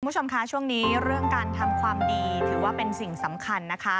คุณผู้ชมคะช่วงนี้เรื่องการทำความดีถือว่าเป็นสิ่งสำคัญนะคะ